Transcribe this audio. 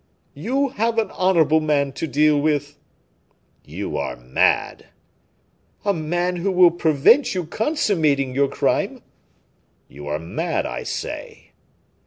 "You have an honorable man to deal with." "You are mad." "A man who will prevent you consummating your crime." "You are mad, I say."